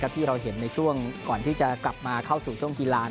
ที่เราเห็นในช่วงก่อนที่จะกลับมาเข้าสู่ช่วงกีฬา